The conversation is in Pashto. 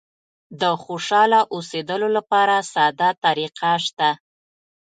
د خوشاله اوسېدلو لپاره ساده طریقه شته.